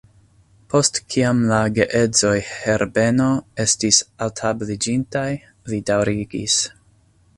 Post kiam la geedzoj Herbeno estis altabliĝintaj, li daŭrigis: